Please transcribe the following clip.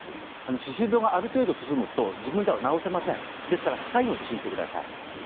歯周病がある程度進むと自分では治せません歯科医を受診してください。